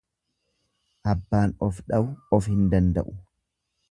Abbaan of dhawu of hin danda'u.